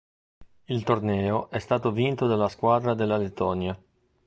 Il torneo è stato vinto dalla squadra della Lettonia.